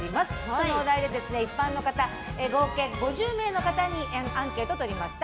そのお題で一般の方、合計５０名の方にアンケートを取りました。